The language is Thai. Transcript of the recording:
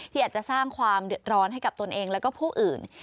อาจจะสร้างความเดือดร้อนให้กับตนเองแล้วก็ผู้อื่น